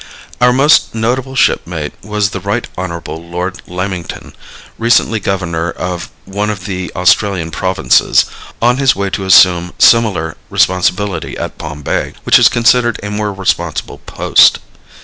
Our most notable shipmate was the Right Honorable Lord Lamington, recently governor of one of the Australian provinces, on his way to assume similar responsibility at Bombay, which is considered a more responsible post.